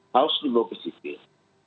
harus dibawa ke sipil